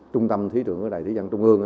trung tâm thí tượng đài thí dân trung ương